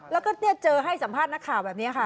แล้วก็เจอให้สัมภาษณ์นักข่าวแบบนี้ค่ะ